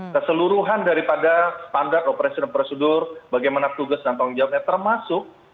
keseluruhan daripada standar operasi dan prosedur bagaimana tugas dan tanggung jawabnya termasuk